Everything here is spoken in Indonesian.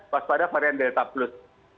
waspada varian delta plus